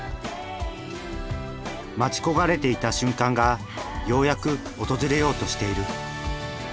待ち焦がれていた瞬間がようやく訪れようとしている。